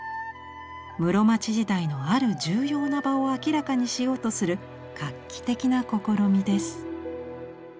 室町時代のある重要な場を明らかにしようとする画期的な試みです。